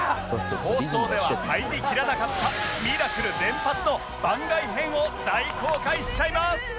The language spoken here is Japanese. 放送では入りきらなかったミラクル連発の番外編を大公開しちゃいます！